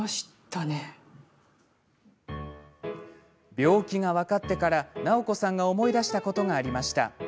病気が分かってから、直子さんが思い出したことがありました。